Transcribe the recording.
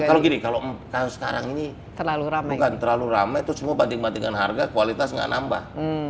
kalau gini kalau sekarang ini terlalu ramai itu semua banting bantingan harga kualitas nggak nambah